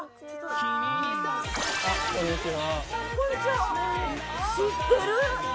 知ってる！